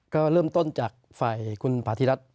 ก็เริ่มต้นจากฝ่ายคุณพาธิรัฐ